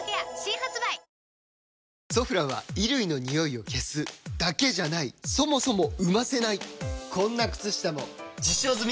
「ソフラン」は衣類のニオイを消すだけじゃないそもそも生ませないこんな靴下も実証済！